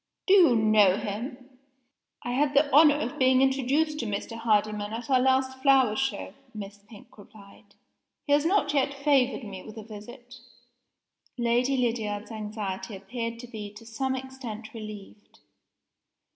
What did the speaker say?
"Do you know him?" "I had the honor of being introduced to Mr. Hardyman at our last flower show," Miss Pink replied. "He has not yet favored me with a visit." Lady Lydiard's anxiety appeared to be to some extent relieved.